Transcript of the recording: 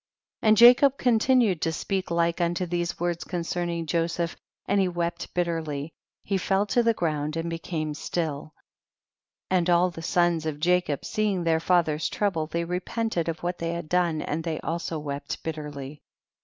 And Jacob continued to speak like unto these words concerning Joseph, and he wept bitterly ; he fell to the ground and became still. 31. And all the sons of Jacob see ing their father's trouble, they repent ed of what they had done, and they also wept bitterly. 32.